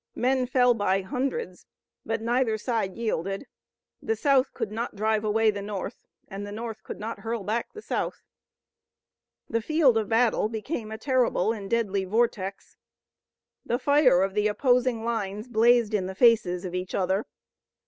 Men fell by hundreds, but neither side yielded. The South could not drive away the North and the North could not hurl back the South. The field of battle became a terrible and deadly vortex. The fire of the opposing lines blazed in the faces of each other.